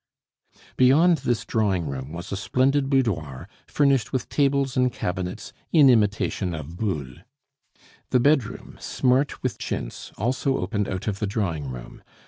Beyond this drawing room was a splendid boudoir furnished with tables and cabinets in imitation of Boulle. The bedroom, smart with chintz, also opened out of the drawing room.